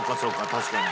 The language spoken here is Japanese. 確かに。